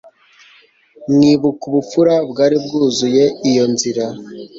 nkibuka ubupfura bwari bwuzuye iyo nzira